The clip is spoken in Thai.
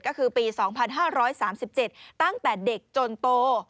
ก็คือปี๒๕๓๗ตั้งแต่เด็กจนโต